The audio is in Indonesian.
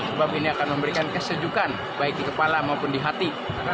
sebab ini akan memberikan kesejukan baik di kepala maupun di hati